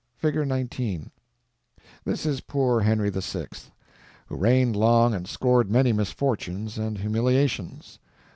(Fig. 19) This is poor Henry VI., who reigned long and scored many misfortunes and humiliations.